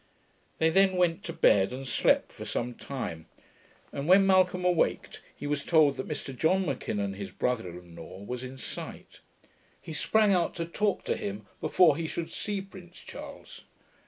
They then went to bed, and slept for some time; and when Malcolm awaked, he was told that Mr John M'Kinnon, his brother in law, was in sight. He sprang out to talk to him before he shoulld see Prince Charles.